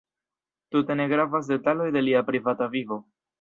Tute ne gravas detaloj de lia privata vivo.